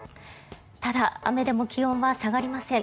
ただ、雨でも気温は下がりません。